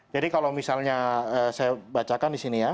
jadi kalau misalnya saya bacakan di sini ya